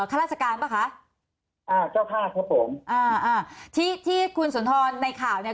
ข้าราชการป่ะคะอ่าเจ้าภาพครับผมอ่าอ่าที่ที่คุณสุนทรในข่าวเนี้ย